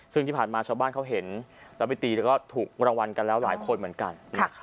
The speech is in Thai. ซึ่งที่ผ่านมาชาวบ้านเขาเห็นแล้วไปตีแล้วก็ถูกรางวัลกันแล้วหลายคนเหมือนกัน